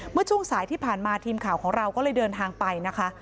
เมื่อช่วงสายที่ผ่านมาทีมข่าวของเราก็เลยเดินทางไปนะคะ